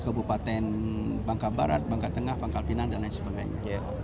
kabupaten bangka barat bangka tengah pangkal pinang dan lain sebagainya